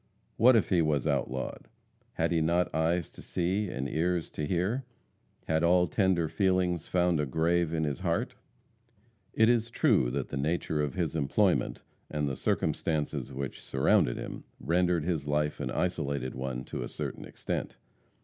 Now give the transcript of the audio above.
What if he was outlawed? Had he not eyes to see and ears to hear? Had all tender feelings found a grave in his heart? It is true that the nature of his employment and the circumstances which surrounded him, rendered his life an isolated one to a certain extent.